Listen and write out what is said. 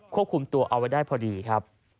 ควบคุมตัวเอาไว้ได้พอดีครับ